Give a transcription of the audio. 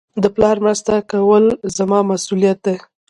د پلار مرسته کول زما مسئولیت دئ.